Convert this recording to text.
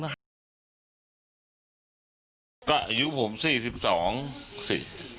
ก็อายุผม๔๒สิไม่เคยเจอ